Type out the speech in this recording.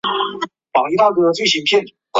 科尔泰站